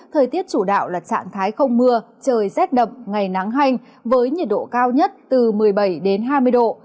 thời tiết chủ đạo là trạng thái không mưa trời rét đậm ngày nắng hanh với nhiệt độ cao nhất từ một mươi bảy hai mươi độ